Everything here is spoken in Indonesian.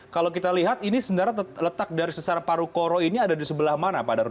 kalau kita lihat ini sebenarnya letak dari sesar paru koro ini ada di sebelah mana pak darul